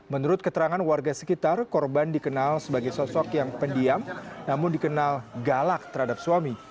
menurut keterangan warga sekitar korban dikenal sebagai sosok yang pendiam namun dikenal galak terhadap suami